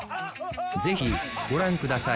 ぜひご覧ください